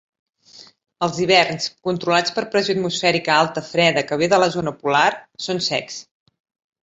Els hiverns, controlats per pressió atmosfèrica alta freda que ve de la zona polar, són secs.